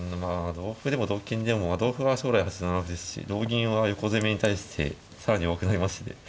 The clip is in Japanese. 同歩でも同銀でも同歩は将来８七歩ですし同銀は横攻めに対して更に弱くなりますしで。